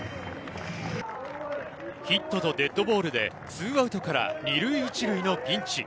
ヒットとデッドボールで２アウトから２塁１塁のピンチ。